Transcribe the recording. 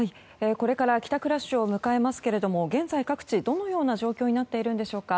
これから帰宅ラッシュを迎えますが現在、各地どのような状況になっているんでしょうか。